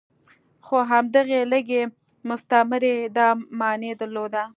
خو همدغې لږې مستمرۍ دا معنی درلوده.